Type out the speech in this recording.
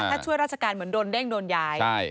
ถ้าช่วยราชการเหมือนโดนเด้งโดนย้าย